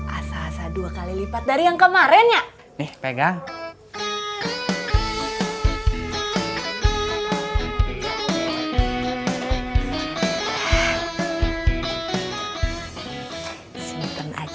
asa asa dua kali berapa gramnya maka dia paling halus